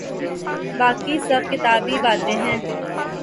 باقی سب کتابی باتیں ہیں۔